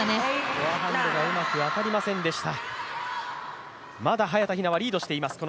フォアハンドがうまく当たりませんでした。